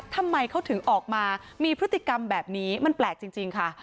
ทำไมเขาถึงออกมามีพฤติกรรมแบบนี้มันแปลกจริงค่ะ